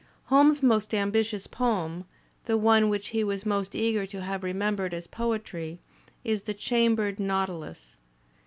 Holmes's most ambitious poem, the one which he was most eager to have remembered as poetry, is "The Chambered Nautilus."